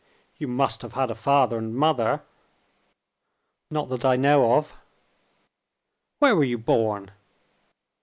You must have had a father and mother." "Not that I know of." "Where were you born?"